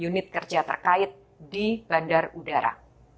dan unit kerja terkait di bandar udara